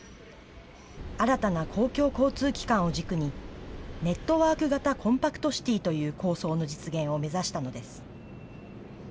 新たな公共交通機関を軸に、ネットワーク型コンパクトシティーという構想の実現を目指したのです。